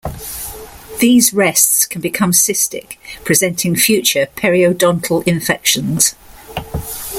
These rests can become cystic, presenting future periodontal infections.